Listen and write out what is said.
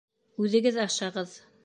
— Үҙегеҙ ашағыҙ!